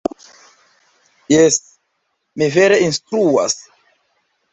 Jes, mi vere instruas.